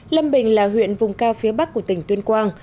lâm bình là huyện vùng cao phía bắc của tỉnh tuyên quang